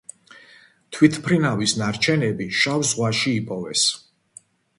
თვითმფრინავის ნარჩენები შავ ზღვაში იპოვეს.